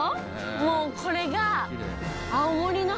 もうこれが。